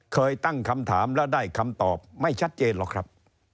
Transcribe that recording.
เคยตั้งคำถามและได้คำตอบไม่ชัดเจนหรอกครับ